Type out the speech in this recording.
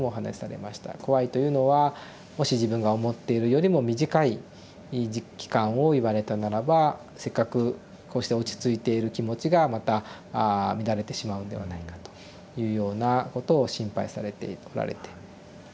怖いというのはもし自分が思っているよりも短い期間を言われたならばせっかくこうして落ち着いている気持ちがまた乱れてしまうんではないかというようなことを心配されておられて。